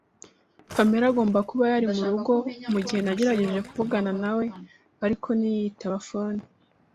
Pamela agomba kuba yari murugo mugihe nagerageje kuvugana nawe, ariko ntiyitaba telefone.